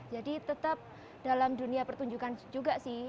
jadi tetap dalam dunia pertunjukan juga sih